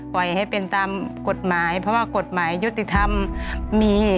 ปล่อยให้เป็นตามกฎหมายเพราะว่ากฎหมายยุติธรรมมี